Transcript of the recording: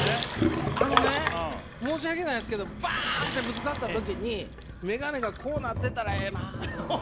あのね申し訳ないですけどバーンってぶつかった時にメガネがこうなってたらええなあ。